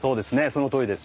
そのとおりです。